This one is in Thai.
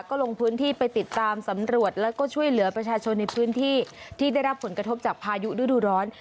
ก็ลงพื้นที่ไปติดตามสำรวจแล้วก็ช่วยเหลือประชาชนในพื้นที่ที่ได้รับผลกระทบจากพายุฤดูร้อน